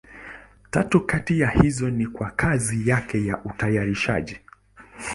Tatu kati ya hizo ni kwa kazi yake ya utayarishaji.